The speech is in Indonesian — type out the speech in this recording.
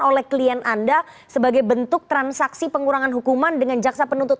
oleh klien anda sebagai bentuk transaksi pengurangan hukuman dengan jaksa penuntut